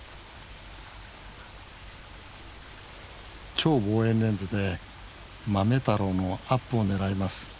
超望遠レンズでまめたろうのアップを狙います。